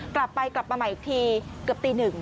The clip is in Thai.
กลับมากลับมาใหม่อีกทีเกือบตีหนึ่ง